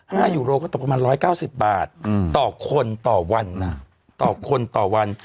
ยูโรก็ตกประมาณร้อยเก้าสิบบาทอืมต่อคนต่อวันน่ะต่อคนต่อวัน